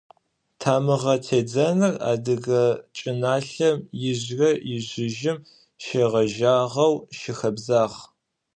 Тамыгъэ тедзэныр адыгэ чӏыналъэм ижърэ-ижъыжьым щегъэжьагъэу щыхэбзагъ.